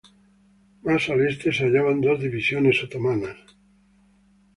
Más al este se hallaban dos divisiones otomanas.